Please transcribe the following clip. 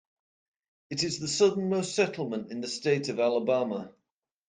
It is the southernmost settlement in the state of Alabama.